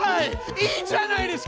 いいじゃないですか！